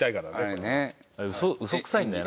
嘘くさいんだよな。